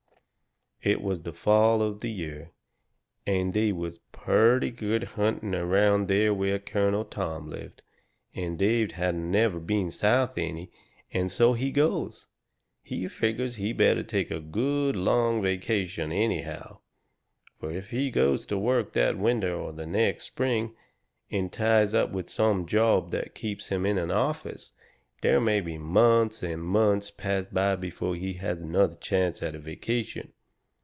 It was the fall of the year, and they was purty good hunting around there where Colonel Tom lived, and Dave hadn't never been South any, and so he goes. He figgers he better take a good, long vacation, anyhow. Fur if he goes to work that winter or the next spring, and ties up with some job that keeps him in an office, there may be months and months pass by before he has another chance at a vacation.